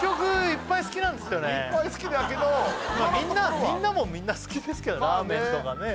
いっぱい好きだけどみんなもみんな好きですけどラーメンとかね